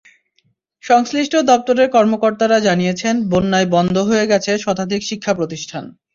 সংশ্লিষ্ট দপ্তরের কর্মকর্তারা জানিয়েছেন, বন্যায় বন্ধ হয়ে গেছে শতাধিক শিক্ষাপ্রতিষ্ঠান।